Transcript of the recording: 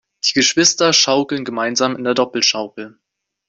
Die Geschwister schaukeln gemeinsam in der Doppelschaukel.